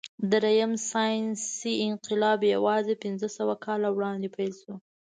درېیم ساینسي انقلاب یواځې پنځهسوه کاله وړاندې پیل شو.